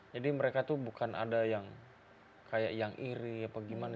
jadi mereka tuh bukan ada yang kayak yang iri apa gimana